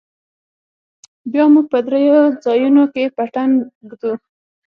بيا موږ په درېو ځايونو کښې پټن ږدو.